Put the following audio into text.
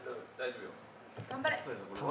頑張れ。